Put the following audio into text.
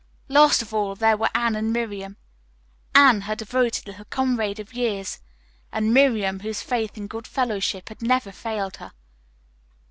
Last of all there were Anne and Miriam. Anne, her devoted little comrade of years, and Miriam, whose faith and good fellowship had never failed her.